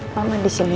mama disini ya